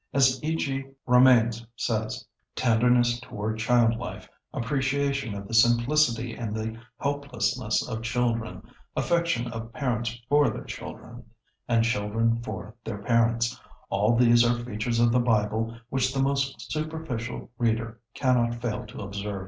As E. G. Romanes says, "Tenderness toward child life, appreciation of the simplicity and the helplessness of children, affection of parents for their children, and children for their parents; all these are features of the Bible which the most superficial reader cannot fail to observe."